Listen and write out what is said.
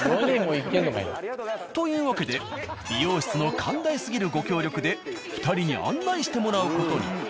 というわけで美容室の寛大すぎるご協力で２人に案内してもらう事に。